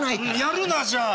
やるなじゃあ。